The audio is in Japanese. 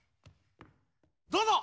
どうぞ！